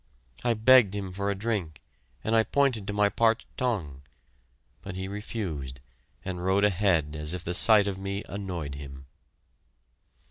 I begged him for a drink, and pointed to my parched tongue; but he refused, and rode ahead as if the sight of me annoyed him!